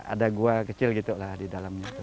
ada gua kecil gitu lah di dalamnya